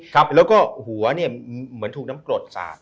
ครับแล้วก็หัวเนี่ยเหมือนถูกน้ำกรดสาด